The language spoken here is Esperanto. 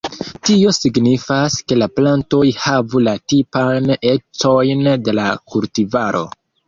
Tio signifas, ke la plantoj havu la tipajn ecojn de la kultivaro.